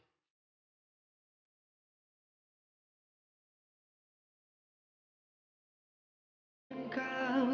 gak ada apa